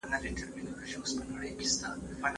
ولي پرله پسې مطالعه د ذهني زوال مخه نیسي؟